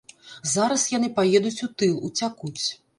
Зараз яны паедуць у тыл, уцякуць.